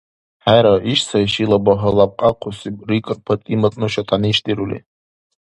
— ХӀера, иш сай шила багьа лябкьяхъуси, — рикӀар ПатӀимат, нуша тянишдирули.